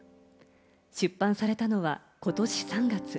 出版されたのはことし３月。